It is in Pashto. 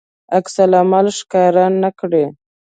عکس العمل ښکاره نه کړي.